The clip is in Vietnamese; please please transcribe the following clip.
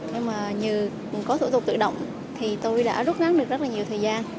nhưng mà nhờ có thủ tục tự động thì tôi đã rút ngắn được rất là nhiều thời gian